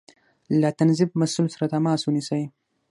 له تنظيف مسؤل سره تماس ونيسئ